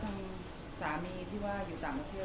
และว่าสามีที่อยู่ต่างประเทศ